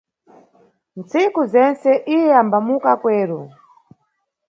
Ntsiku zentse, iye ambamuka kweru.